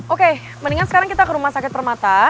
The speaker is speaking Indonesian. oke mendingan sekarang kita ke rumah sakit permata